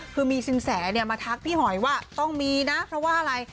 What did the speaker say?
คือมีสินแสมาทักพี่หอยว่าต้องมีนะเพราะว่าอะไร